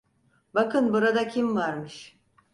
Bakın burada kim varmış.